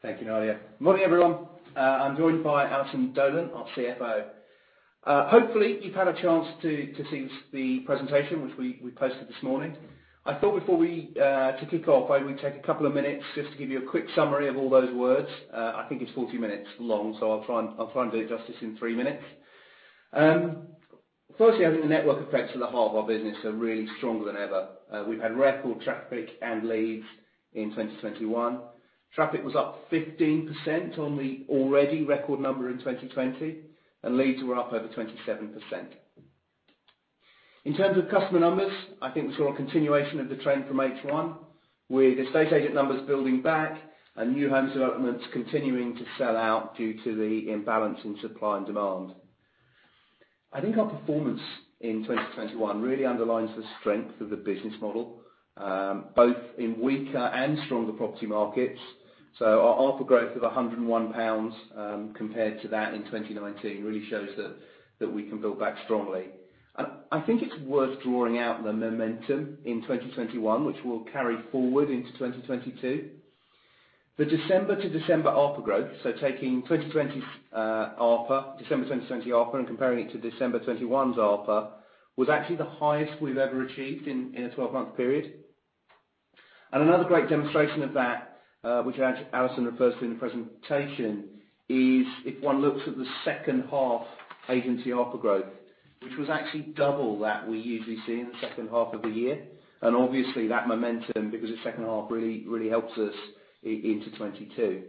Thank you, Nadia. Morning, everyone. I'm joined by Alison Dolan, our CFO. Hopefully, you've had a chance to see the presentation which we posted this morning. I thought to kick off, I would take a couple of minutes just to give you a quick summary of all those words. I think it's 40 minutes long, so I'll try and do it justice in three minutes. Firstly, I think the network effects at the heart of our business are really stronger than ever. We've had record traffic and leads in 2021. Traffic was up 15% on the already record number in 2020, and leads were up over 27%. In terms of customer numbers, I think we saw a continuation of the trend from H1, with estate agent numbers building back and new homes developments continuing to sell out due to the imbalance in supply and demand. I think our performance in 2021 really underlines the strength of the business model, both in weaker and stronger property markets. Our ARPA growth of 101 pounds, compared to that in 2019 really shows that we can build back strongly. I think it's worth drawing out the momentum in 2021, which we'll carry forward into 2022. The December to December ARPA growth, so taking 2020 ARPA, December 2020 ARPA and comparing it to December 2021's ARPA, was actually the highest we've ever achieved in a 12-month period. Another great demonstration of that, which Alison refers to in the presentation, is if one looks at the second half agency ARPA growth, which was actually double that we usually see in the second half of the year. Obviously that momentum, because it's second half, really, really helps us into 2022.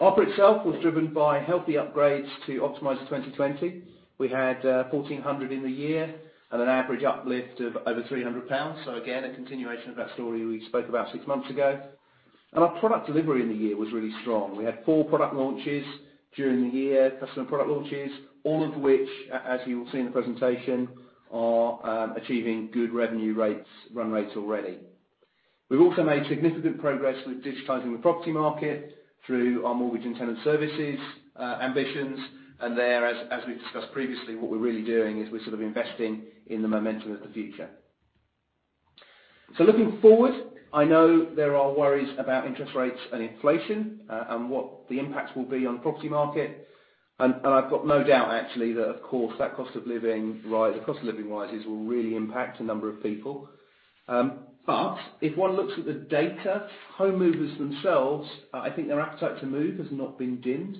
ARPA itself was driven by healthy upgrades to Optimiser 2020. We had 1,400 in the year and an average uplift of over 300 pounds. Again, a continuation of that story we spoke about six months ago. Our product delivery in the year was really strong. We had four product launches during the year, customer product launches, all of which, as you will see in the presentation, are achieving good revenue rates, run rates already. We've also made significant progress with digitizing the property market through our mortgage and tenant services, ambitions. There, as we've discussed previously, what we're really doing is we're sort of investing in the momentum of the future. Looking forward, I know there are worries about interest rates and inflation, and what the impacts will be on the property market. I've got no doubt actually that, of course, the cost of living rises will really impact a number of people. If one looks at the data, home movers themselves, I think their appetite to move has not been dimmed.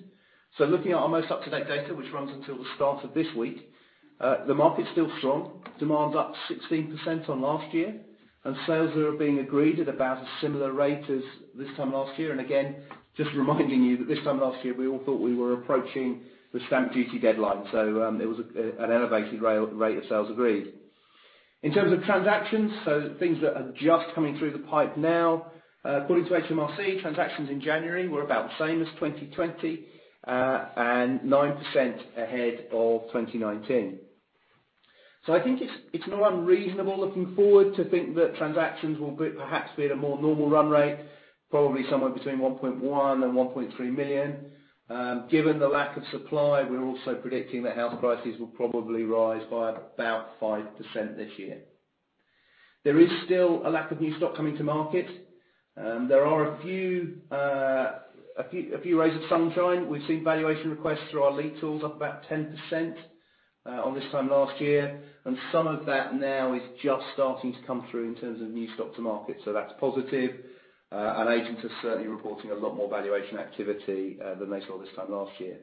Looking at our most up-to-date data, which runs until the start of this week, the market's still strong. Demand's up 16% on last year, and sales are being agreed at about a similar rate as this time last year. Again, just reminding you that this time last year, we all thought we were approaching the stamp duty deadline. It was an elevated rate of sales agreed. In terms of transactions, things that are just coming through the pipe now, according to HMRC, transactions in January were about the same as 2020 and 9% ahead of 2019. I think it's not unreasonable looking forward to think that transactions will be perhaps at a more normal run rate, probably somewhere between 1.1 and 1.3 million. Given the lack of supply, we're also predicting that house prices will probably rise by about 5% this year. There is still a lack of new stock coming to market. There are a few rays of sunshine. We've seen valuation requests through our lead tools up about 10% on this time last year. Some of that now is just starting to come through in terms of new stock to market. That's positive. Agents are certainly reporting a lot more valuation activity than they saw this time last year.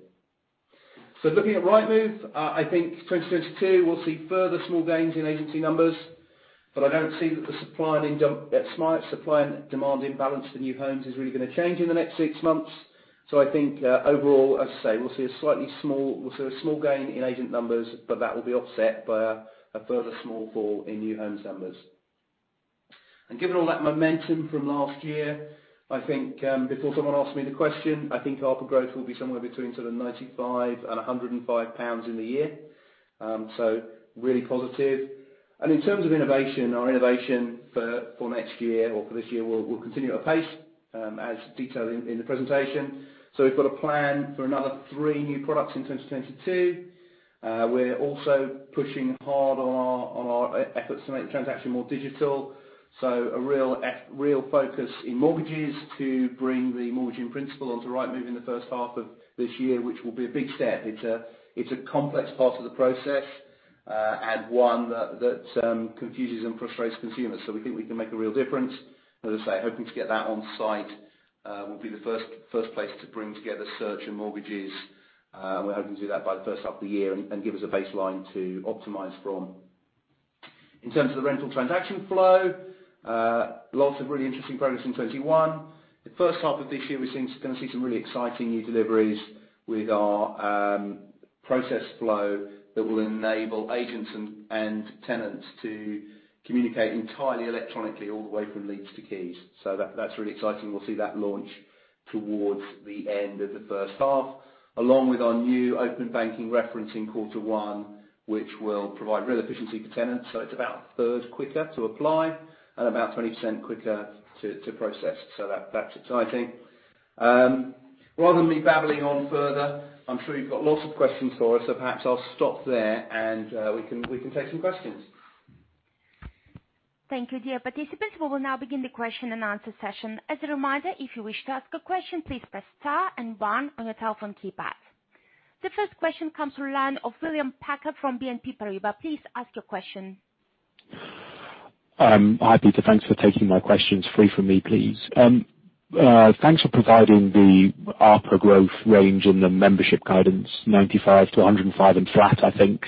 Looking at Rightmove, I think 2022, we'll see further small gains in agency numbers, but I don't see that the supply and demand imbalance for new homes is really gonna change in the next six months. I think overall, as I say, we'll see a small gain in agent numbers, but that will be offset by a further small fall in new homes numbers. Given all that momentum from last year, I think before someone asks me the question, I think ARPA growth will be somewhere between sort of 95-105 pounds in the year. Really positive. In terms of innovation, our innovation for next year or for this year will continue at a pace, as detailed in the presentation. We've got a plan for another three new products in 2022. We're also pushing hard on our efforts to make transactions more digital. A real focus in mortgages to bring the mortgage in principle onto Rightmove in the first half of this year, which will be a big step. It's a complex part of the process, and one that confuses and frustrates consumers. We think we can make a real difference. As I say, hoping to get that on site will be the first place to bring together search and mortgages. We're hoping to do that by the first half of the year and give us a baseline to optimize from. In terms of the rental transaction flow, lots of really interesting progress in 2021. The first half of this year, gonna see some really exciting new deliveries with our process flow that will enable agents and tenants to communicate entirely electronically all the way from leads to keys. That's really exciting. We'll see that launch towards the end of the first half, along with our new Open Banking referencing in quarter one, which will provide real efficiency to tenants. It's about a third quicker to apply and about 20% quicker to process. That's exciting. Rather than me babbling on further, I'm sure you've got lots of questions for us. Perhaps I'll stop there and we can take some questions. Thank you, dear participants. We will now begin the question and answer session. As a reminder, if you wish to ask a question, please press star and one on your telephone keypad. The first question comes from the line of William Packer from BNP Paribas. Please ask your question. Hi, Peter. Thanks for taking my questions. Three for me, please. Thanks for providing the ARPA growth range and the membership guidance, 95-105 and flat, I think.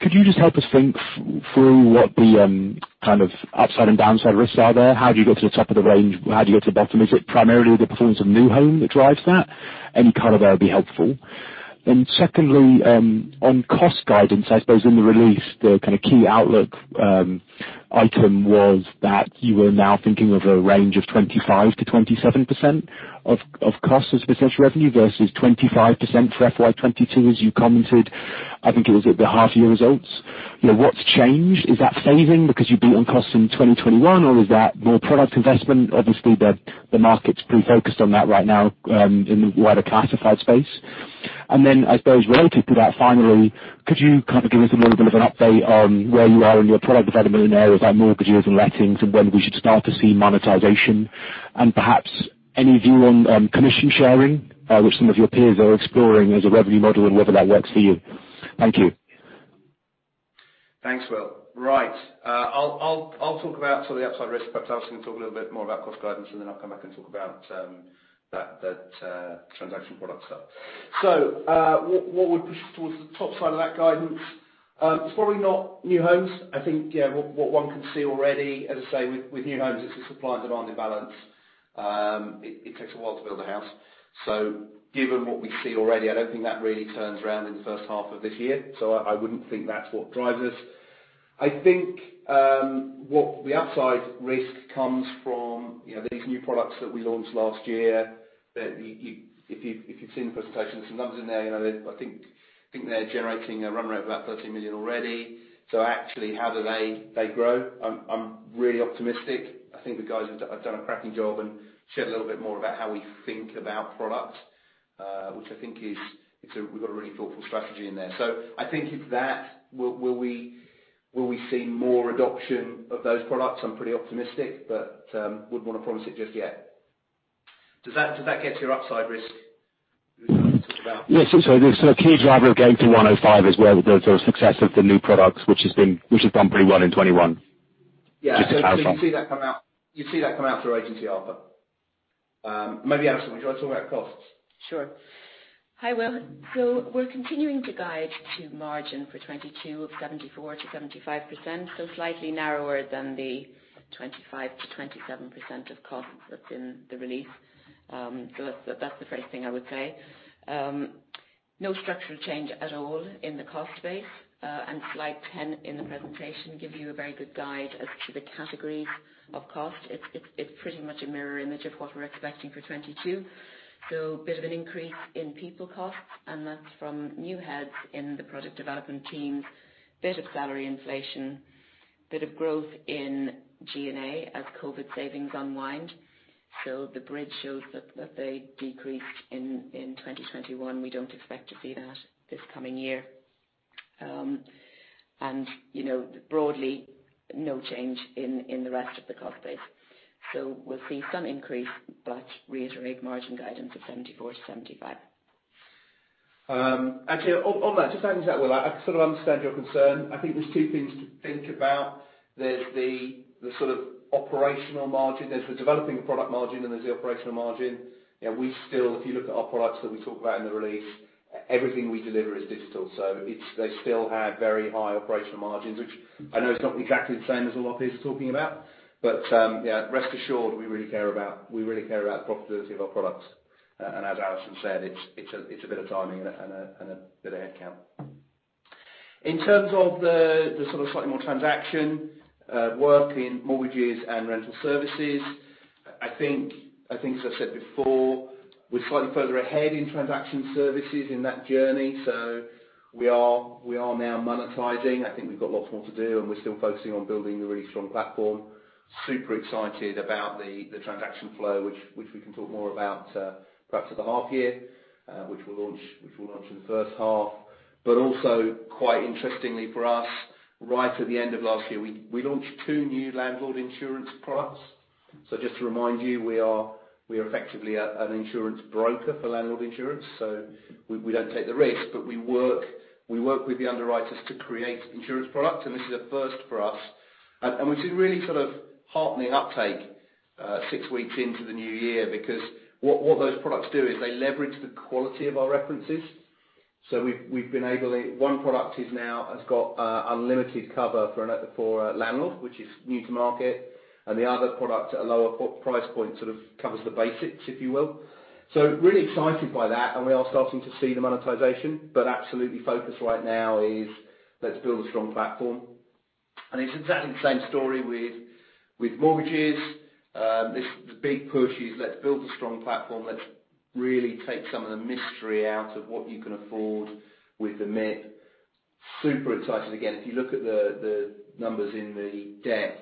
Could you just help us think through what the, kind of upside and downside risks are there? How do you go to the top of the range? How do you go to the bottom? Is it primarily the performance of new home that drives that? Any color there would be helpful. Secondly, on cost guidance, I suppose in the release, the kind of key outlook, item was that you were now thinking of a range of 25%-27% of costs as potential revenue versus 25% for FY 2022 as you commented, I think it was at the half year results. You know, what's changed? Is that saving because you beat on costs in 2021 or is that more product investment? Obviously, the market's pretty focused on that right now, in the wider classified space. I suppose related to that, finally, could you kind of give us a little bit of an update on where you are in your product development areas like mortgages and lettings, and when we should start to see monetization? Perhaps any view on commission sharing, which some of your peers are exploring as a revenue model and whether that works for you. Thank you. Thanks, Will. Right. I'll talk about sort of the upside risk. Perhaps Alison can talk a little bit more about cost guidance, and then I'll come back and talk about that transaction product stuff. What would push towards the top side of that guidance? It's probably not new homes. I think, yeah, what one can see already, as I say, with new homes, it's a supply and demand imbalance. It takes a while to build a house. Given what we see already, I don't think that really turns around in the first half of this year. I wouldn't think that's what drives us. I think what the upside risk comes from, you know, these new products that we launched last year, that if you've seen the presentation, some numbers in there, you know, I think they're generating a run rate of about 30 million already. Actually, how do they grow? I'm really optimistic. I think the guys have done a cracking job and shared a little bit more about how we think about products, which I think is—it's a—we've got a really thoughtful strategy in there. So I think will we see more adoption of those products? I'm pretty optimistic, but wouldn't wanna promise it just yet. Does that get to your upside risk? Yes. The sort of key driver of getting to 105 as well, the success of the new products, which has done pretty well in 2021. Yeah. Just the You see that come out through agency offer. Maybe Alison, would you like to talk about costs? Sure. Hi, Will. We're continuing to guide to margin for 2022 of 74%-75%, slightly narrower than the 25%-27% of costs that's in the release. That's the first thing I would say. No structural change at all in the cost base, and slide 10 in the presentation gives you a very good guide as to the categories of cost. It's pretty much a mirror image of what we're expecting for 2022. Bit of an increase in people costs, and that's from new heads in the product development teams, bit of salary inflation, bit of growth in G&A as COVID savings unwind. The bridge shows that they decreased in 2021. We don't expect to see that this coming year. You know, broadly, no change in the rest of the cost base. We'll see some increase, but reiterate margin guidance of 74%-75%. Actually on that, just adding to that, Will, I sort of understand your concern. I think there's two things to think about. There's the sort of operational margin. There's the developing product margin, and there's the operational margin. You know, we still, if you look at our products that we talk about in the release, everything we deliver is digital. So they still have very high operational margins, which I know it's not exactly the same as a lot of peers are talking about. Yeah, rest assured, we really care about profitability of our products. As Alison said, it's a bit of timing and a bit of head count. In terms of the sort of slightly more transactional work in mortgages and rental services, I think as I said before, we're slightly further ahead in transactional services in that journey. We are now monetizing. I think we've got lots more to do, and we're still focusing on building a really strong platform. Super excited about the transactional flow, which we can talk more about, perhaps at the half year, which we'll launch in the first half. But also, quite interestingly for us, right at the end of last year, we launched two new landlord insurance products. Just to remind you, we are effectively an insurance broker for landlord insurance. We don't take the risk, but we work with the underwriters to create insurance products, and this is a first for us. We've seen really sort of heartening uptake six weeks into the new year because what those products do is they leverage the quality of our references. We've been able to. One product now has got unlimited cover for a landlord, which is new to market. The other product at a lower price point sort of covers the basics, if you will. We're really excited by that, and we are starting to see the monetization, but our absolute focus right now is let's build a strong platform. It's exactly the same story with mortgages. The big push is let's build a strong platform. Let's really take some of the mystery out of what you can afford with the MIP. Super excited. Again, if you look at the numbers in the deck,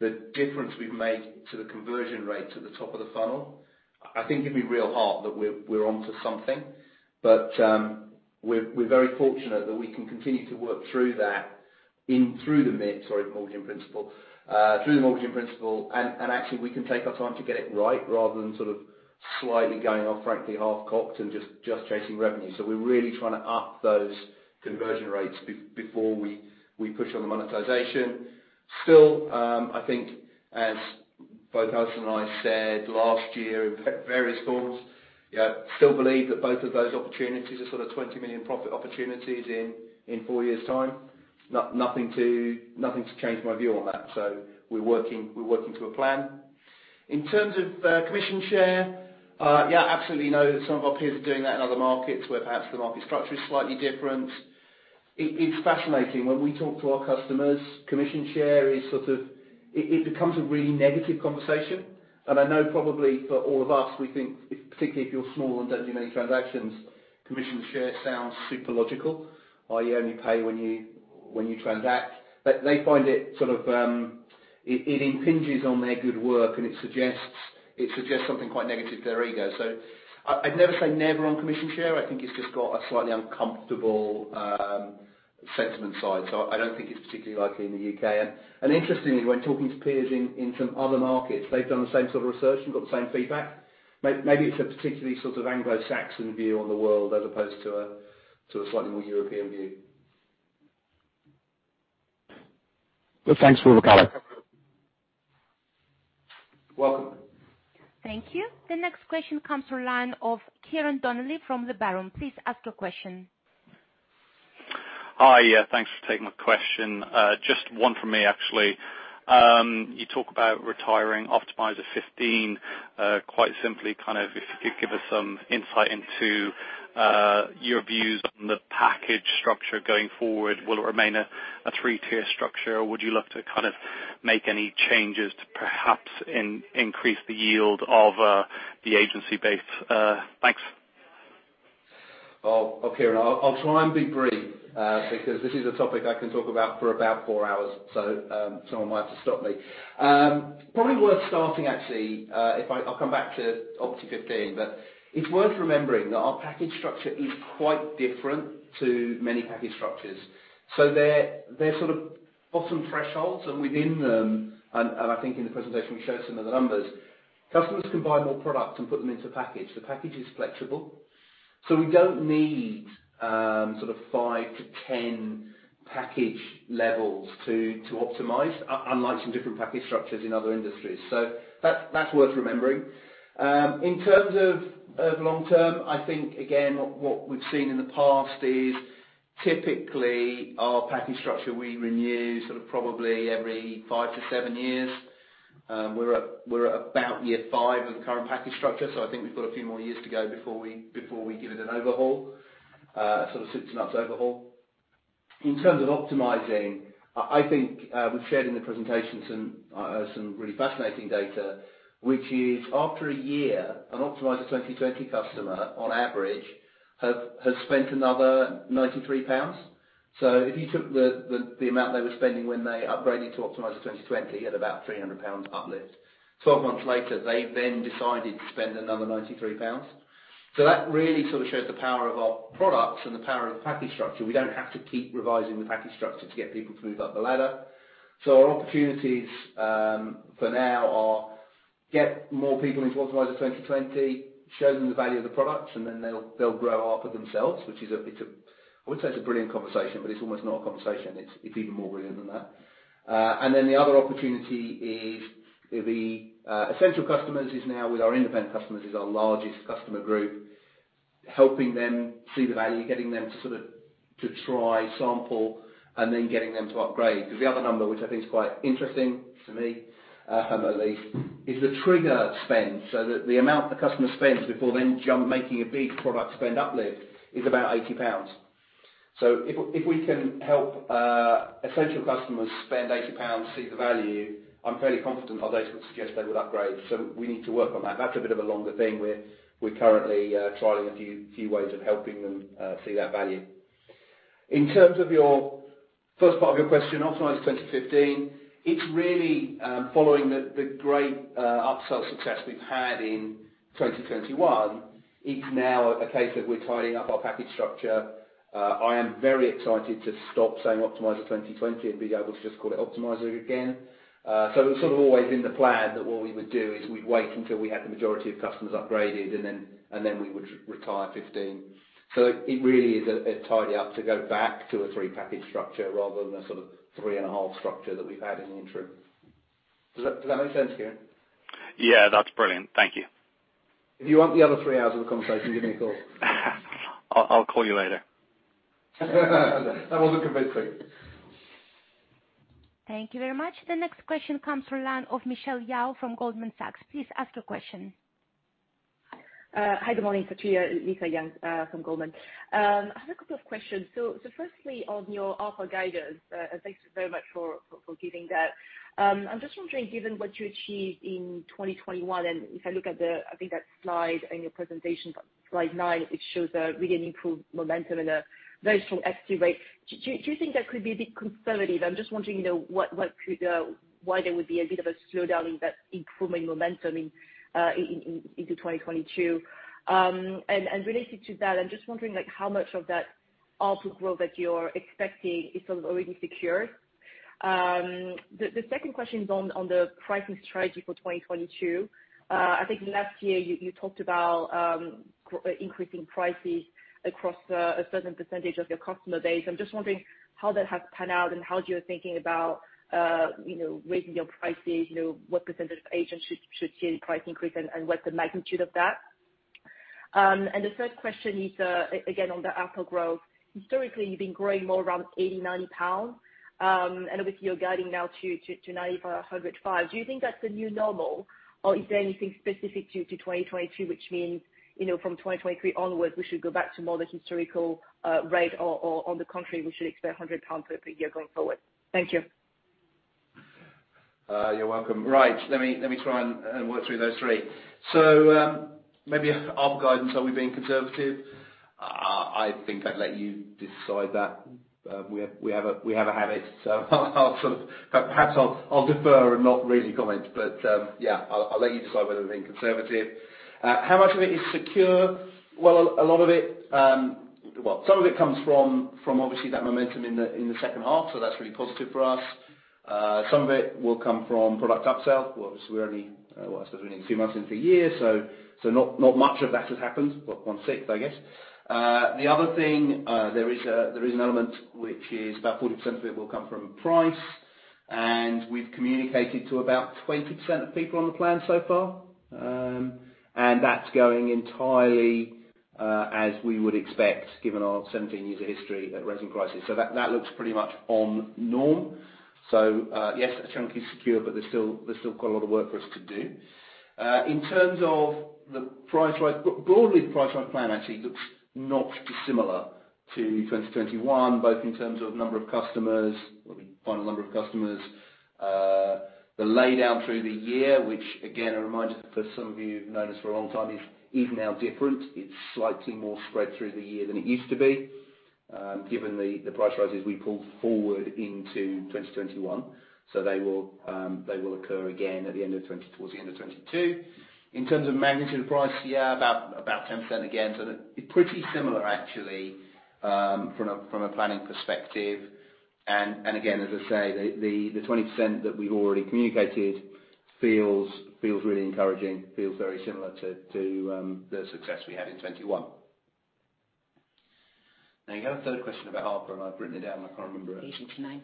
the difference we've made to the conversion rate to the top of the funnel, I think you'd be really heartened that we're onto something. We're very fortunate that we can continue to work through that through the mortgage in principle, and actually we can take our time to get it right rather than sort of slightly going off, frankly, half-cocked and just chasing revenue. We're really trying to up those conversion rates before we push on the monetization. Still, I think as both Alison and I said last year in various forms, still believe that both of those opportunities are sort of 20 million profit opportunities in four years time. Nothing's changed my view on that. We're working to a plan. In terms of commission share, yeah, absolutely know that some of our peers are doing that in other markets where perhaps the market structure is slightly different. It's fascinating. When we talk to our customers, commission share is sort of. It becomes a really negative conversation. I know probably for all of us, we think if, particularly if you're small and don't do many transactions, commission share sounds super logical, or you only pay when you transact. They find it sort of impinges on their good work, and it suggests something quite negative to their ego. I'd never say never on commission share. I think it's just got a slightly uncomfortable sentiment side. I don't think it's particularly likely in the U.K. Interestingly, when talking to peers in some other markets, they've done the same sort of research and got the same feedback. Maybe it's a particularly sort of Anglo-Saxon view on the world as opposed to a slightly more European view. Well, thanks for the call. Welcome. Thank you. The next question comes from the line of Ciarán Donnelly from Liberum. Please ask your question. Hi. Thanks for taking my question. Just one from me, actually. You talk about retiring Optimiser 15, quite simply, kind of if you could give us some insight into your views on the package structure going forward. Will it remain a three-tier structure, or would you look to kind of make any changes to perhaps increase the yield of the agency base? Thanks. Oh, okay. I'll try and be brief, because this is a topic I can talk about for about four hours, so someone might have to stop me. Probably worth starting, actually. I'll come back to Opti 15. It's worth remembering that our package structure is quite different to many package structures. They're sort of bottom thresholds, and within them, I think in the presentation, we showed some of the numbers. Customers can buy more product and put them into package. The package is flexible. We don't need sort of five to 10 package levels to optimize, unlike some different package structures in other industries. That's worth remembering. In terms of long term, I think again what we've seen in the past is typically our package structure we renew sort of probably every five to seven years. We're at about year five of the current package structure, so I think we've got a few more years to go before we give it an overhaul, sort of suits an overhaul. In terms of optimizing, I think we've shared in the presentation some really fascinating data, which is after a year, an Optimiser 2020 customer on average has spent another 93 pounds. So if you took the amount they were spending when they upgraded to Optimiser 2020 at about 300 pounds uplift. 12 months later, they then decided to spend another 93 pounds. That really sort of shows the power of our products and the power of the package structure. We don't have to keep revising the package structure to get people to move up the ladder. Our opportunities for now are get more people into Optimiser 2020, show them the value of the products, and then they'll grow up with themselves, which is a brilliant conversation, but it's almost not a conversation. It's even more brilliant than that. The other opportunity is the Essential customers, now with our independent customers, is our largest customer group, helping them see the value, getting them to sort of to try sample and then getting them to upgrade. Because the other number, which I think is quite interesting to me, at least, is the trigger spend. The amount the customer spends before then jump making a big product spend uplift is about 80 pounds. If we can help Essential customers spend 80 pounds, see the value, I'm fairly confident our data would suggest they would upgrade. We need to work on that. That's a bit of a longer thing. We're currently trialing a few ways of helping them see that value. In terms of your first part of your question, Optimiser 2015, it's really following the great upsell success we've had in 2021. It's now a case of we're tidying up our package structure. I am very excited to stop saying Optimiser 2020 and be able to just call it Optimiser again. It's sort of always in the plan that what we would do is we'd wait until we had the majority of customers upgraded, and then we would retire 15. It really is a tidy up to go back to a three-package structure rather than a sort of three-and-a-half structure that we've had in the interim. Does that make sense, Kieran? Yeah, that's brilliant. Thank you. If you want the other three hours of the conversation, give me a call. I'll call you later. That wasn't convincing. Thank you very much. The next question comes from the line of Michelle Yao from Goldman Sachs. Please ask your question. Hi, good morning to you. Lisa Yang from Goldman. I have a couple of questions. Firstly, on your offer guidance, thanks very much for giving that. I'm just wondering, given what you achieved in 2021, and if I look at the I think that slide in your presentation, slide nine, it shows a really improved momentum and a very strong active rate. Do you think that could be a bit conservative? I'm just wondering, you know, what could why there would be a bit of a slowdown in that improving momentum into 2022. Related to that, I'm just wondering like how much of that output growth that you're expecting is sort of already secured. The second question is on the pricing strategy for 2022. I think last year you talked about increasing prices across a certain percentage of your customer base. I'm just wondering how that has panned out and how you're thinking about raising your prices. You know, what percentage of agents should see any price increase and what's the magnitude of that. The third question is again on the output growth. Historically, you've been growing more around 80-90 pounds. And obviously you're guiding now to 95-105. Do you think that's the new normal, or is there anything specific to 2022 which means, you know, from 2023 onwards, we should go back to more the historical rate, or on the contrary we should expect 100 pounds for every year going forward? Thank you. You're welcome. Right. Let me try and work through those three. Maybe outlook guidance, are we being conservative? I think I'd let you decide that. We have a habit, I'll sort of perhaps defer and not really comment. Yeah, I'll let you decide whether we're being conservative. How much of it is secure? Well, a lot of it. Some of it comes from obviously that momentum in the second half, so that's really positive for us. Some of it will come from product upsell, where obviously we're only, well, as I said, we're only a few months into the year, so not much of that has happened, but 1/6, guess. The other thing, there is an element which is about 40% of it will come from price, and we've communicated to about 20% of people on the plan so far. That's going entirely as we would expect, given our 17 years of history at raising prices. That looks pretty much on norm. Yes, a chunk is secure, but there's still quite a lot of work for us to do. In terms of the price rise, broadly, the price rise plan actually looks not dissimilar to 2021, both in terms of number of customers, well, the final number of customers. The laydown through the year, which again, a reminder for some of you who've known us for a long time, is even now different. It's slightly more spread through the year than it used to be, given the price rises we pulled forward into 2021. They will occur again towards the end of 2022. In terms of magnitude of price, yeah, about 10% again. They're pretty similar actually, from a planning perspective. Again, as I say, the 20% that we've already communicated feels really encouraging, feels very similar to the success we had in 2021. Now, you had a third question about output, and I've written it down. I can't remember it. 80-90.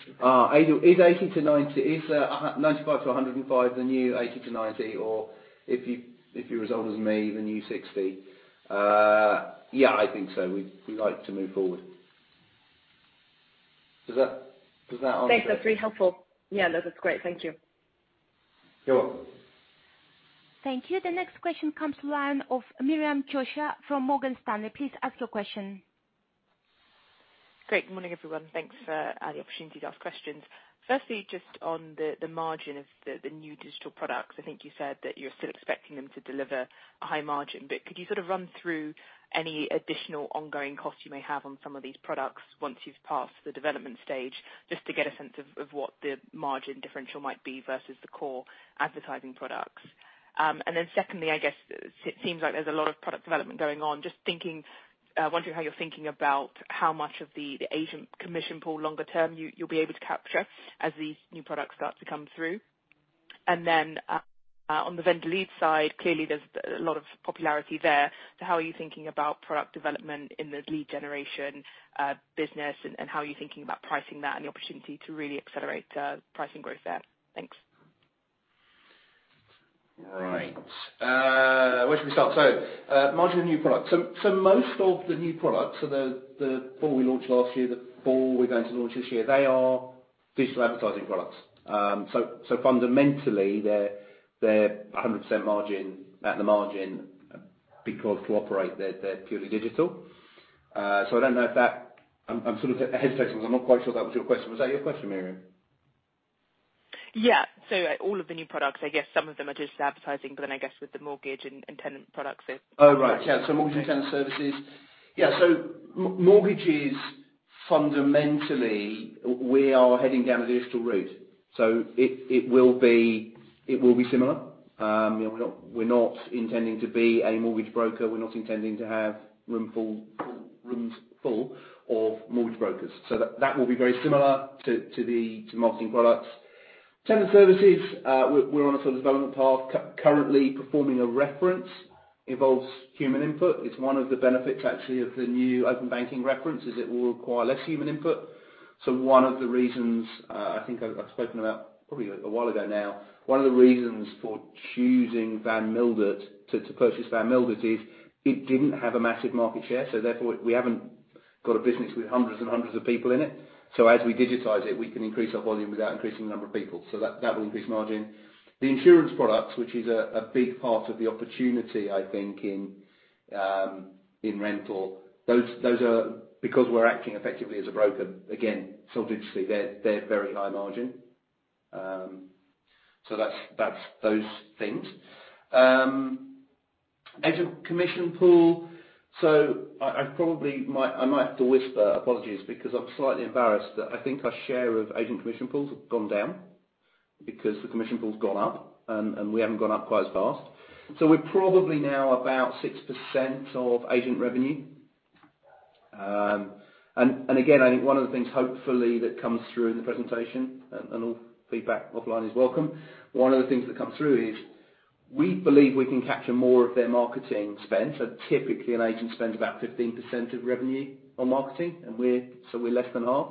Is 95-105 the new 80-90, or if you're as old as me, the new 60? Yeah, I think so. We like to move forward. Does that answer? Thanks. That's really helpful. Yeah, no, that's great. Thank you. You're welcome. Thank you. The next question comes from the line of Miriam Josiah from Morgan Stanley. Please ask your question. Great. Good morning, everyone. Thanks for the opportunity to ask questions. Firstly, just on the margin of the new digital products. I think you said that you're still expecting them to deliver a high margin, but could you sort of run through any additional ongoing costs you may have on some of these products once you've passed the development stage, just to get a sense of what the margin differential might be versus the core advertising products? And then secondly, I guess it seems like there's a lot of product development going on. Just thinking, wondering how you're thinking about how much of the agent commission pool longer term you'll be able to capture as these new products start to come through. On the vendor lead side, clearly there's a lot of popularity there. How are you thinking about product development in the lead generation business and how are you thinking about pricing that and the opportunity to really accelerate pricing growth there? Thanks. Right. Where should we start? Margin on new products. Most of the new products, the four we launched last year, the four we're going to launch this year, they are digital advertising products. Fundamentally, they're 100% margin at the margin because to operate, they're purely digital. I don't know if that was your question. I'm sort of hesitating because I'm not quite sure that was your question. Was that your question, Miriam? Yeah. All of the new products. I guess some of them are just advertising, but then I guess with the mortgage and tenant products it- Mortgage and tenant services. Mortgages, fundamentally, we are heading down the digital route. It will be similar. You know, we're not intending to be a mortgage broker. We're not intending to have rooms full of mortgage brokers. That will be very similar to the marketing products. Tenant services, we're on a sort of development path. Currently, performing a reference involves human input. It's one of the benefits actually of the new Open Banking reference is it will require less human input. One of the reasons, I think I've spoken about probably a while ago now, one of the reasons for choosing Van Mildert to purchase Van Mildert is it didn't have a massive market share, so therefore we haven't got a business with hundreds and hundreds of people in it. As we digitize it, we can increase our volume without increasing the number of people. That will increase margin. The insurance products, which is a big part of the opportunity, I think, in rental, those are because we're acting effectively as a broker, again, sort of digitally, they're very high margin. That's those things. Agent commission pool. I probably might have to whisper. Apologies, because I'm slightly embarrassed that I think our share of agent commission pools have gone down because the commission pool's gone up and we haven't gone up quite as fast. We're probably now about 6% of agent revenue. Again, I think one of the things hopefully that comes through in the presentation, and all feedback offline is welcome. One of the things that comes through is we believe we can capture more of their marketing spend. Typically an agent spends about 15% of revenue on marketing, and we're less than half.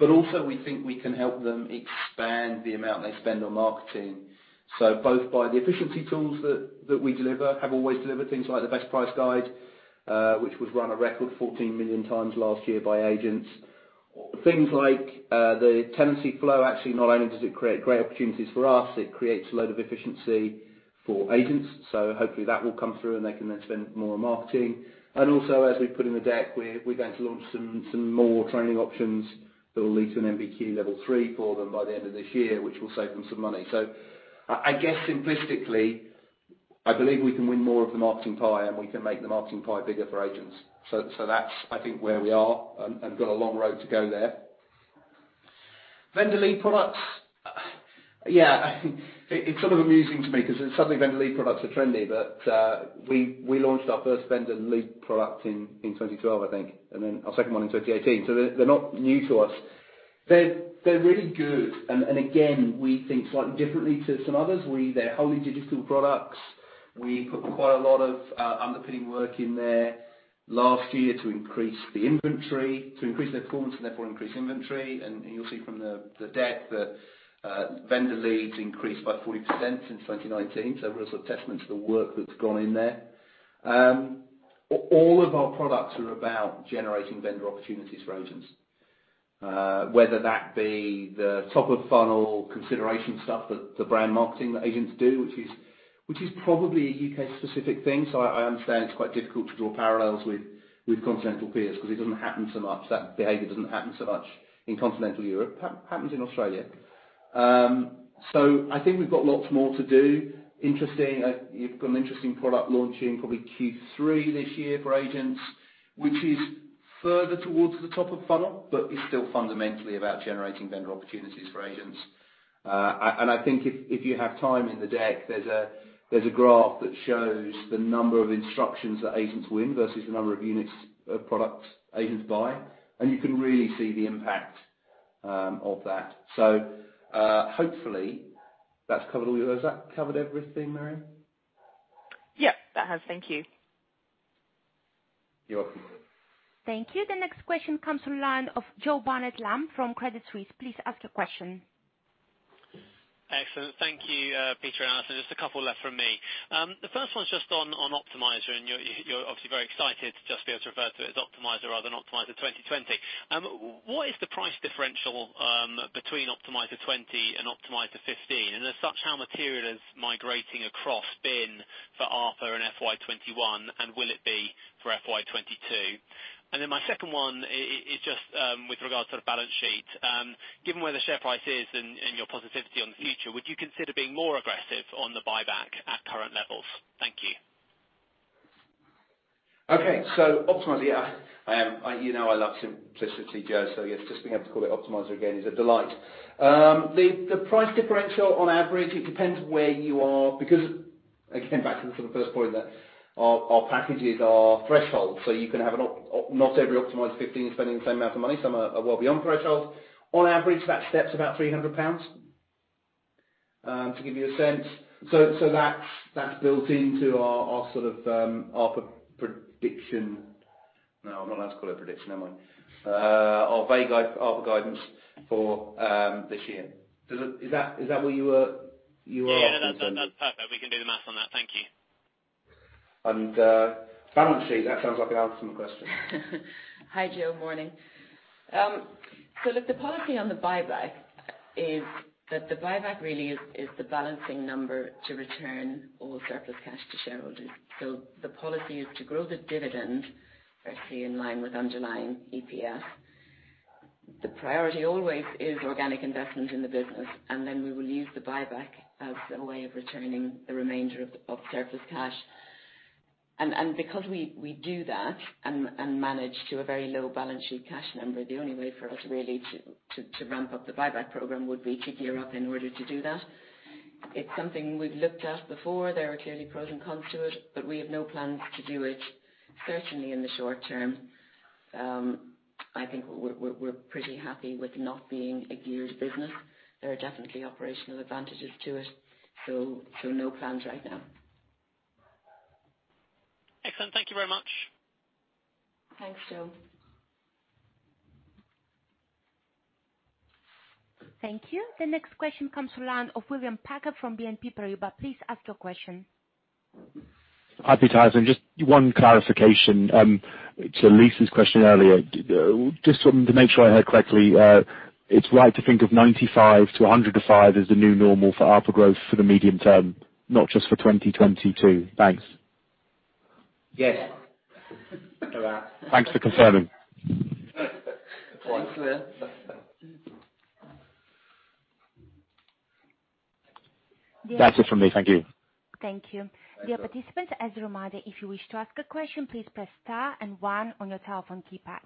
We think we can help them expand the amount they spend on marketing. Both by the efficiency tools that we deliver, have always delivered, things like the Best Price Guide, which was run a record 14 million times last year by agents. Things like the tenancy flow, actually not only does it create great opportunities for us, it creates a load of efficiency for agents. Hopefully that will come through and they can then spend more on marketing. Also as we've put in the deck, we're going to launch some more training options that will lead to an NVQ Level 3 for them by the end of this year, which will save them some money. I guess simplistically, I believe we can win more of the marketing pie and we can make the marketing pie bigger for agents. That's, I think, where we are, and got a long road to go there. Vendor lead products. Yeah, I think it's sort of amusing to me 'cause suddenly vendor lead products are trendy, but we launched our first vendor lead product in 2012, I think, and then our second one in 2018. They're really good and again, we think slightly differently to some others. They're wholly digital products. We put quite a lot of underpinning work in there last year to increase the inventory, to increase their performance and therefore increase inventory. You'll see from the deck that vendor leads increased by 40% since 2019. Real sort of testament to the work that's gone in there. All of our products are about generating vendor opportunities for agents. Whether that be the top of funnel consideration stuff that the brand marketing that agents do, which is probably a U.K. specific thing. I understand it's quite difficult to draw parallels with continental peers 'cause it doesn't happen so much. That behavior doesn't happen so much in continental Europe. It happens in Australia. I think we've got lots more to do. Interesting. You've got an interesting product launching probably Q3 this year for agents, which is further towards the top of funnel, but is still fundamentally about generating vendor opportunities for agents. I think if you have time in the deck, there's a graph that shows the number of instructions that agents win versus the number of units of products agents buy. You can really see the impact of that. Hopefully that's covered all your. Has that covered everything, Miriam? Yep, that has. Thank you. You're welcome. Thank you. The next question comes from the line of Joe Barnet-Lamb from Credit Suisse. Please ask your question. Excellent. Thank you, Peter and Alison. Just a couple left from me. The first one's just on Optimiser, and you're obviously very excited to just be able to refer to it as Optimiser rather than Optimiser 2020. What is the price differential between Optimiser 20 and Optimiser 15? And if so, how material has the migration been for ARPA in FY 2021 and will it be for FY 2022? Then my second one is just with regards to the balance sheet. Given where the share price is and your positivity on the future, would you consider being more aggressive on the buyback at current levels? Thank you. Okay. Optimiser, yeah, I am. You know I love simplicity, Joe. Yes, just being able to call it Optimiser again is a delight. The price differential on average, it depends where you are because again, back to the sort of first point that our packages are threshold. You can have not every Optimiser 15 is spending the same amount of money. Some are well beyond threshold. On average, that step's about 300 pounds to give you a sense. That's built into our sort of ARPA prediction. No, I'm not allowed to call it a prediction, am I? Our vague ARPA guidance for this year. Is that where you were asking for? Yeah. No, that's perfect. We can do the math on that. Thank you. Balance sheet, that sounds like an answer from a question. Hi, Joe. Morning. Look, the policy on the buyback is that the buyback really is the balancing number to return all surplus cash to shareholders. The policy is to grow the dividend, firstly in line with underlying EPS. The priority always is organic investment in the business, and then we will use the buyback as a way of returning the remainder of surplus cash. Because we do that and manage to a very low balance sheet cash number, the only way for us really to ramp up the buyback program would be to gear up in order to do that. It's something we've looked at before. There are clearly pros and cons to it, but we have no plans to do it, certainly in the short term. I think we're pretty happy with not being a geared business. There are definitely operational advantages to it. No plans right now. Excellent. Thank you very much. Thanks, Joe. Thank you. The next question comes from the line of William Packer from BNP Paribas. Please ask your question. Hi, Peter. Just one clarification to Lisa's question earlier. Just wanted to make sure I heard correctly. It's right to think of 95%-105% as the new normal for ARPA growth for the medium term, not just for 2022. Thanks. Yes. Thanks for confirming. Quite clear. That's it from me. Thank you. Thank you. Dear participants, as a reminder, if you wish to ask a question, please press star and one on your telephone keypad.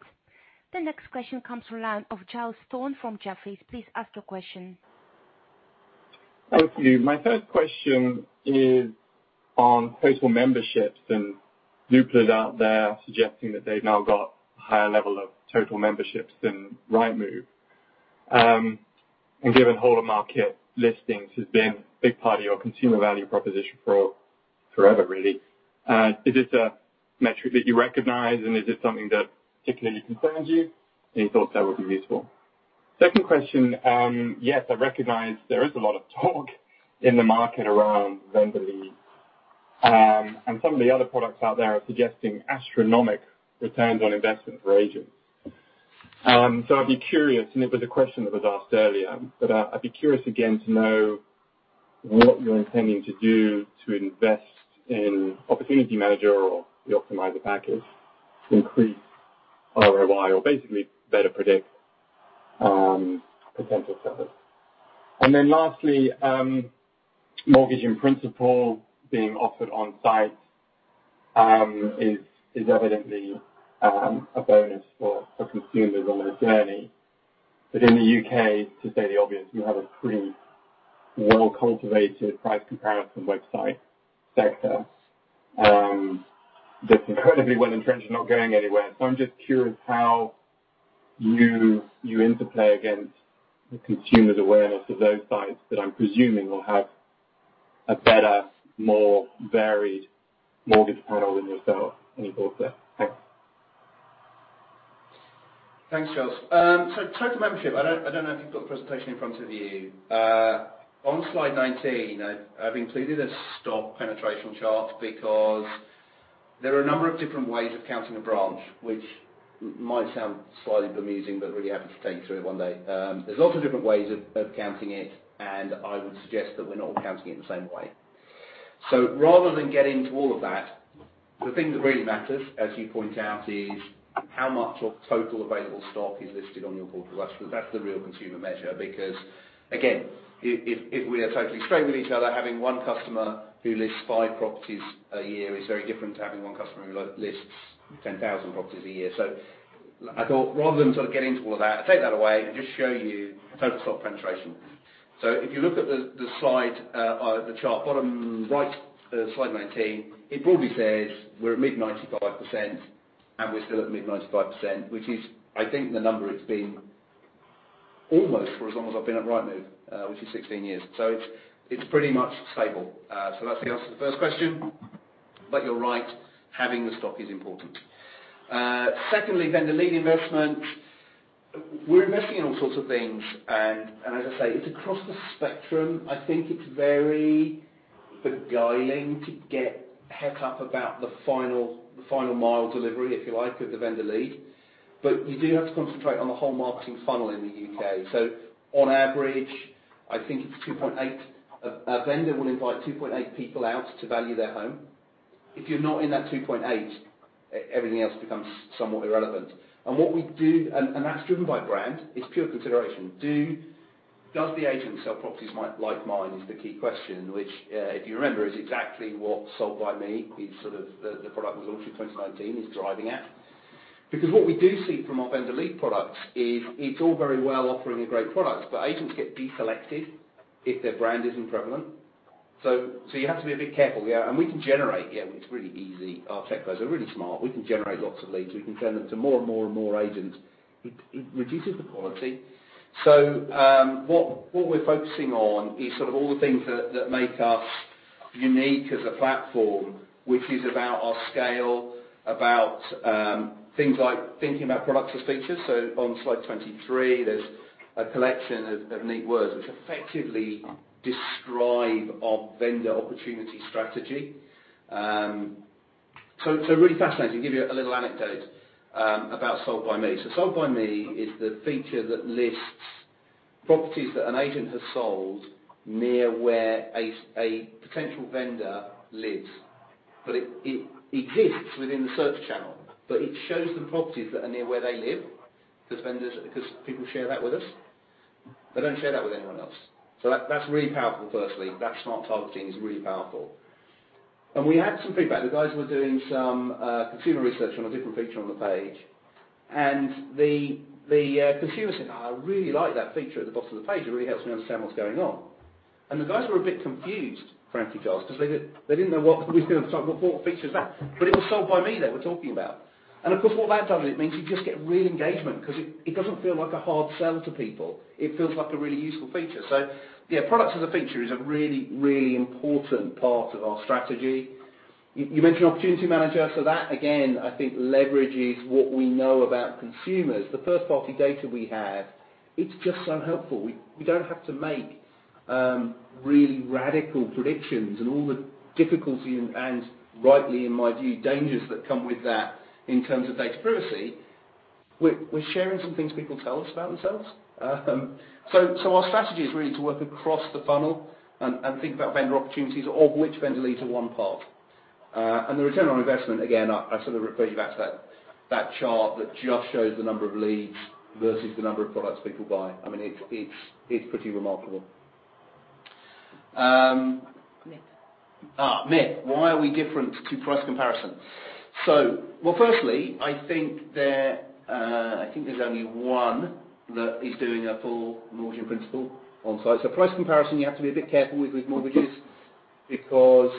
The next question comes from the line of Giles Thorne from Jefferies. Please ask your question. Thank you. My first question is on total memberships and Zoopla out there suggesting that they've now got a higher level of total memberships than Rightmove. Given whole of market listings has been a big part of your consumer value proposition for forever, really. Is this a metric that you recognize? Is it something that particularly concerns you? Any thoughts there would be useful. Second question, yes, I recognize there is a lot of talk in the market around vendor lead. Some of the other products out there are suggesting astronomical returns on investment for agents. I'd be curious, and it was a question that was asked earlier, but I'd be curious again to know what you're intending to do to invest in Opportunity Manager or the Optimiser package to increase ROI or basically better predict potential service. Then lastly, mortgage in principle being offered on site is evidently a bonus for consumers on this journey. In the U.K., to state the obvious, you have a pretty well-cultivated price comparison website sector that's incredibly well-entrenched and not going anywhere. I'm just curious how you interplay against the consumer's awareness of those sites that I'm presuming will have a better, more varied mortgage panel than yourself. Any thoughts there? Thanks. Thanks, Giles. Total membership, I don't know if you've got the presentation in front of you. On slide 19, I've included a stock penetration chart because there are a number of different ways of counting a branch, which might sound slightly bemusing, but really happy to take you through it one day. There's lots of different ways of counting it, and I would suggest that we're not all counting it in the same way. Rather than get into all of that, the thing that really matters, as you point out, is how much of total available stock is listed on your board. That's the real consumer measure. Because, again, if we are totally straight with each other, having one customer who lists five properties a year is very different to having one customer who lists 10,000 properties a year. I thought rather than sort of get into all that, take that away and just show you total stock penetration. If you look at the slide or the chart bottom right, slide 19, it broadly says we're at mid-95% and we're still at mid-95%, which is, I think, the number it's been almost for as long as I've been at Rightmove, which is 16 years. It's pretty much stable. That's the answer to the first question, but you're right, having the stock is important. Secondly, vendor lead investment. We're investing in all sorts of things and as I say, it's across the spectrum. I think it's very beguiling to get hung up about the final mile delivery, if you like, of the vendor lead. You do have to concentrate on the whole marketing funnel in the U.K. On average, I think it's 2.8. A vendor will invite 2.8 people out to value their home. If you're not in that 2.8, everything else becomes somewhat irrelevant. What we do, that's driven by brand, is pure consideration. Does the agent sell properties like mine, is the key question, which if you remember, is exactly what Sold by Me, the product that was launched in 2019, is driving at. Because what we do see from our vendor lead products is it's all very well offering a great product, but agents get deselected if their brand isn't prevalent. You have to be a bit careful, yeah. We can generate, yeah, it's really easy. Our tech guys are really smart. We can generate lots of leads. We can send them to more and more and more agents. It reduces the quality. What we're focusing on is sort of all the things that make us unique as a platform, which is about our scale, about things like thinking about products as features. On slide 23, there's a collection of neat words which effectively describe our vendor opportunity strategy. Really fascinating. Give you a little anecdote about Sold by Me. Sold by Me is the feature that lists properties that an agent has sold near where a potential vendor lives. It exists within the search channel, but it shows the properties that are near where they live 'cause vendors, because people share that with us. They don't share that with anyone else. That's really powerful personally. That smart targeting is really powerful. We had some feedback. The guys were doing some consumer research on a different feature on the page. The consumer said, "Oh, I really like that feature at the bottom of the page. It really helps me understand what's going on." The guys were a bit confused, frankly, Giles, 'cause they didn't know what we were doing. What feature is that? It was Sold by Me they were talking about. Of course, what that does, it means you just get real engagement 'cause it doesn't feel like a hard sell to people. It feels like a really useful feature. Yeah, products as a feature is a really, really important part of our strategy. You mentioned Opportunity Manager. That again, I think leverages what we know about consumers. The first party data we have, it's just so helpful. We don't have to make really radical predictions and all the difficulty and rightly, in my view, dangers that come with that in terms of data privacy. We're sharing some things people tell us about themselves. Our strategy is really to work across the funnel and think about vendor opportunities of which vendor leads are one part, and the return on investment, again, I sort of refer you back to that chart that just shows the number of leads versus the number of products people buy. I mean, it's pretty remarkable. [Mitt]. [Mitt]. Why are we different to price comparison? Well, firstly, I think there's only one that is doing a full mortgage in principle on-site. Price comparison, you have to be a bit careful with mortgages because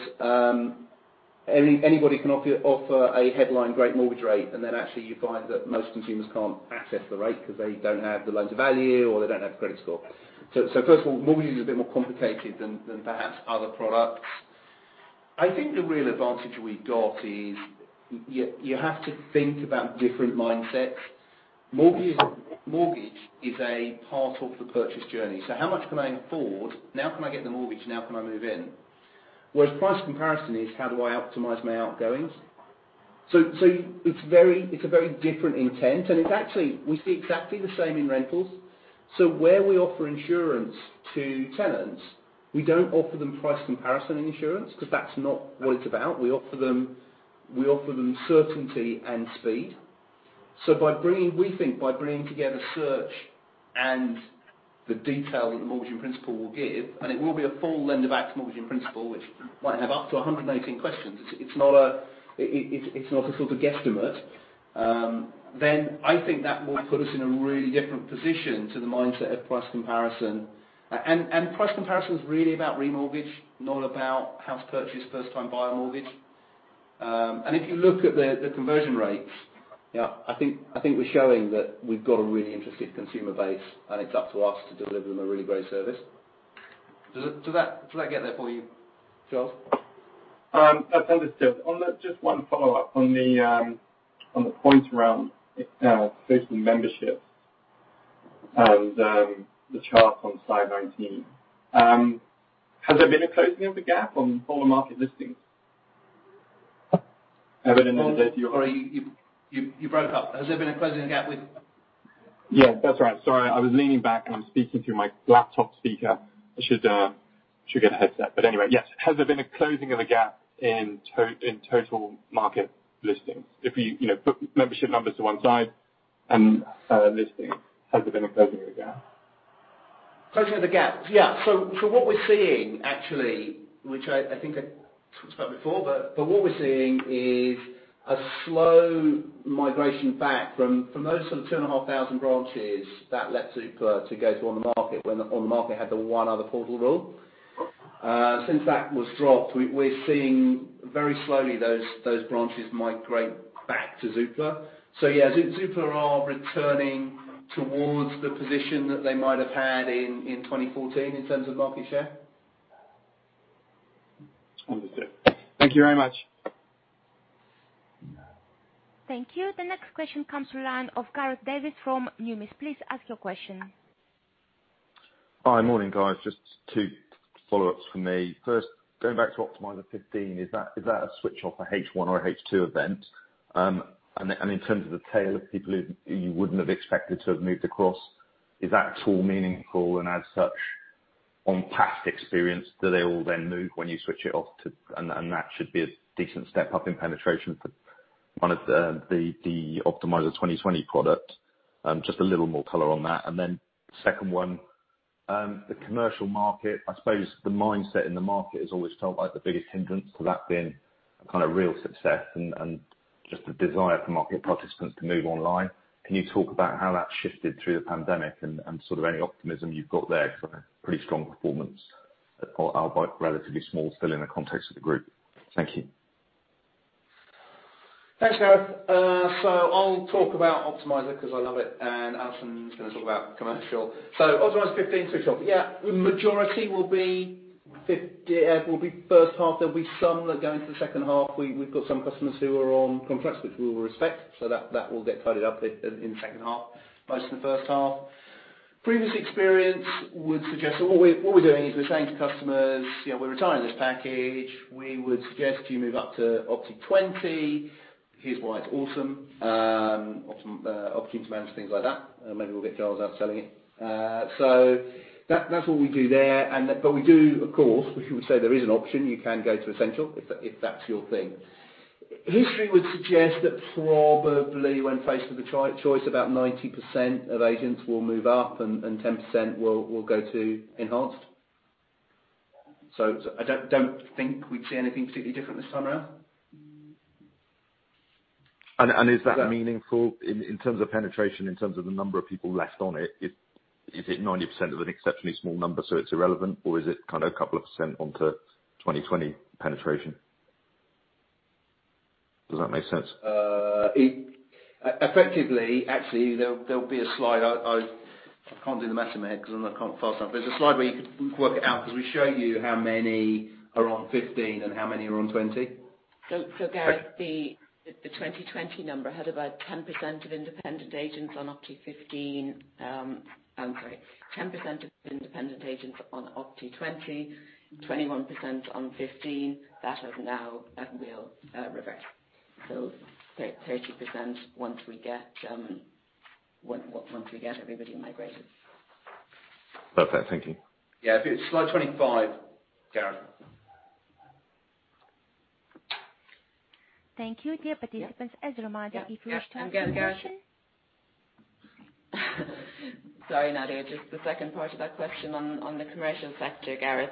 anybody can offer a headline great mortgage rate, and then actually you find that most consumers can't access the rate because they don't have the loan to value or they don't have the credit score. First of all, mortgage is a bit more complicated than perhaps other products. I think the real advantage we've got is you have to think about different mindsets. Mortgage is a part of the purchase journey. How much can I afford? Now can I get the mortgage? Now can I move in? Whereas price comparison is how do I optimize my outgoings? It's a very different intent, and it's actually we see exactly the same in rentals. Where we offer insurance to tenants, we don't offer them price comparison insurance 'cause that's not what it's about. We offer them certainty and speed. We think by bringing together search and the detail that the mortgage in principle will give, and it will be a full lend of act mortgage in principle, which might have up to 118 questions. It's not a sort of guesstimate. Then I think that will put us in a really different position to the mindset of price comparison. Price comparison is really about remortgage, not about house purchase, first time buyer mortgage. If you look at the conversion rates, yeah, I think we're showing that we've got a really interested consumer base, and it's up to us to deliver them a really great service. Does that get there for you, Giles? Understood. Just one follow-up on the point around social memberships and the chart on slide 19. Has there been a closing of the gap on all the market listings? Sorry, you broke up. Has there been a closing of the gap with? Yeah, that's right. Sorry, I was leaning back, and I'm speaking through my laptop speaker. I should get a headset. But anyway, yes. Has there been a closing of the gap in total market listings? If you know, put membership numbers to one side and listings, has there been a closing of the gap? Closing of the gap? Yeah. What we're seeing actually, which I think I talked about before, but what we're seeing is a slow migration back from those sort of 2,500 branches that led to go to OnTheMarket when OnTheMarket had the one other portal rule. Since that was dropped, we're seeing very slowly those branches migrate back to Zoopla. Yeah, Zoopla are returning towards the position that they might have had in 2014 in terms of market share. Understood. Thank you very much. Thank you. The next question comes to the line of Gareth Davies from Numis. Please ask your question. Hi. Morning, guys. Just two follow-ups from me. First, going back to Optimiser 15, is that a switch off a H1 or a H2 event? In terms of the tail of people who you wouldn't have expected to have moved across, is that at all meaningful? As such, on past experience, do they all then move when you switch it off to? That should be a decent step up in penetration for one of the Optimiser 2020 product. Just a little more color on that. Then second one, the commercial market, I suppose the mindset in the market has always felt like the biggest hindrance to that being a kinda real success and just the desire for market participants to move online. Can you talk about how that shifted through the pandemic and sort of any optimism you've got there for a pretty strong performance albeit relatively small still in the context of the group? Thank you. Thanks, Gareth. I'll talk about Optimiser 'cause I love it, and Alison's gonna talk about commercial. [Optimiser] 15 switch off. Yeah, majority will be first half. There'll be some that go into the second half. We've got some customers who are on contracts, which we will respect. That will get tidied up in second half, most in the first half. Previous experience would suggest. What we're doing is we're saying to customers, "You know, we're retiring this package. We would suggest you move up to Opti 20. Here's why it's awesome." Optims manage things like that. Maybe we'll get Charles out selling it. That's what we do there, and then. We do, of course, we would say there is an option. You can go to Essential if that's your thing. History would suggest that probably when faced with a choice, about 90% of agents will move up and 10% will go to Enhanced. I don't think we'd see anything particularly different this time around. Is that meaningful in terms of penetration, in terms of the number of people left on it? Is it 90% of an exceptionally small number, so it's irrelevant, or is it kinda couple of percent onto 2020 penetration? Does that make sense? Effectively, actually, there'll be a slide. I can't do the mathematics because I'm not a fast counter. There's a slide where you could work it out because we show you how many are on 15 and how many are on 20. Gareth, the 2020 number had about 10% of independent agents on Opti 15. 10% of independent agents on Opti 2020, 21% on 15. That will now reverse. 30% once we get everybody migrated. Perfect. Thank you. Yeah. If you slide 25, Gareth. Thank you, dear participants. As a reminder, if you wish to ask a question. Yeah. Yeah. I'm going, Gareth. Sorry, Nadia. Just the second part of that question on the commercial sector, Gareth.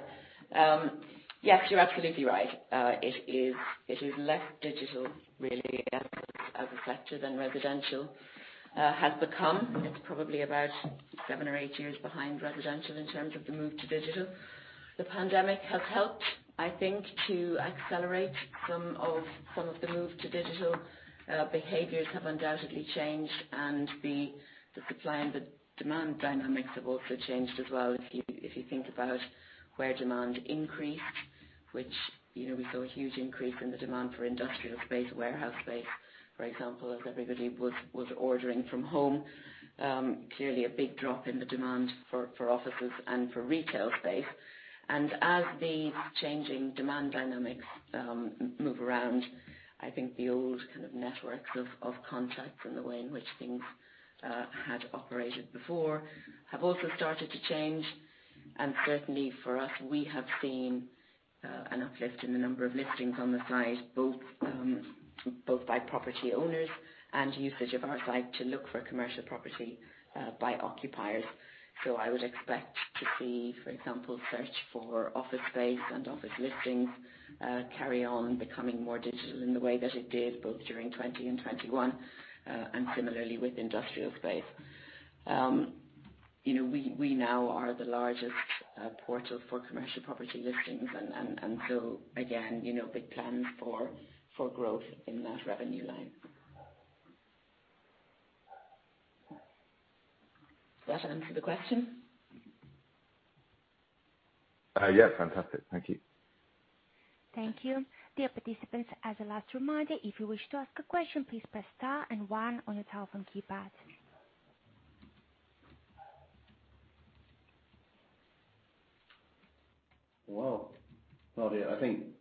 Yes, you're absolutely right. It is less digital really as a sector than residential has become. It's probably about seven or eight years behind residential in terms of the move to digital. The pandemic has helped, I think, to accelerate some of the move to digital. Behaviors have undoubtedly changed and the supply and the demand dynamics have also changed as well. If you think about where demand increased, which, you know, we saw a huge increase in the demand for industrial space, warehouse space, for example, as everybody was ordering from home. Clearly a big drop in the demand for offices and for retail space. As these changing demand dynamics move around, I think the old kind of networks of contracts and the way in which things had operated before have also started to change. Certainly for us, we have seen an uplift in the number of listings on the site, both by property owners and usage of our site to look for commercial property by occupiers. I would expect to see, for example, search for office space and office listings carry on becoming more digital in the way that it did both during 2020 and 2021, and similarly with industrial space. You know, we now are the largest portal for commercial property listings and so again, you know, big plans for growth in that revenue line. Does that answer the question? Yeah. Fantastic. Thank you. Thank you. Dear participants, as a last reminder, if you wish to ask a question, please press star and one on your telephone keypad. Well, Nadia,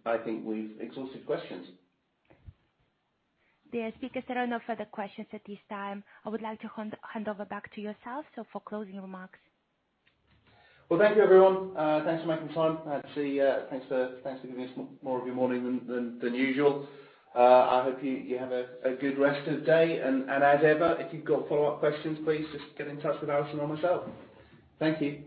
I think we've exhausted questions. Dear speakers, there are no further questions at this time. I would like to hand over back to yourself so for closing remarks. Well, thank you everyone. Thanks for making the time. Actually, thanks for giving us more of your morning than usual. I hope you have a good rest of the day. As ever, if you've got follow-up questions, please just get in touch with Alison or myself. Thank you.